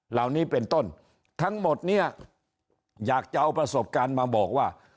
เหล่านี้เป็นต้นทั้งหมดเนี่ยอยากจะเอาประสบการณ์มาบอกว่า